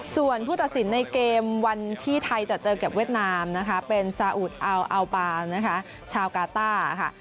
ส่วนผู้ตัดสินในเกมวันที่ไทยจะเจอกับเวียดนามนะคะเป็นซาอุดอัลอัลปานะคะชาวกาต้าค่ะ